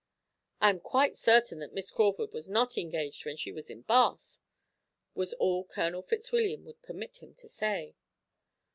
"I am quite certain that Miss Crawford was not engaged when she was in Bath," was all Colonel Fitzwilliam would permit himself to say.